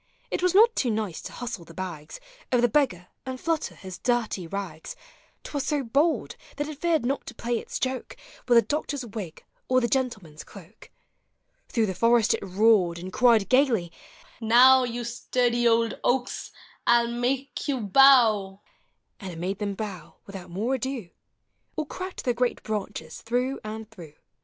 It was not too nice to hustle the bags Of the beggar, and tlutter his dirty rags: T was so bold, that it feared not to play its joke With the doctor's wig or the gentleman's cloak. Through the forest it roared, and cried, gayly, u Now, You sturdy old oaks, I '11 make you bow! " And it made them bow without more ado. Or cracked their great branches through and through.